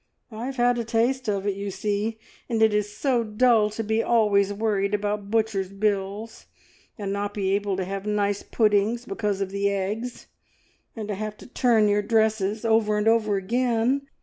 "I've had a taste of it, you see, and it is so dull to be always worried about butchers' bills, and not be able to have nice puddings because of the eggs, and to have to turn your dresses over and over again.